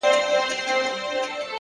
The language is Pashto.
سترگي يې توري ؛پر مخ يې ښكل كړه؛